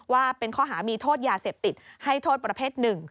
ว่าเป็นข้อหามีโทษยาเสพติดให้โทษประเภท๑